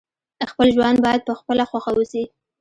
خپل ژوند باید په خپله خوښه وسي.